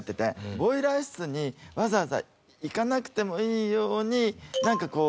ボイラー室にわざわざ行かなくてもいいようになんかこう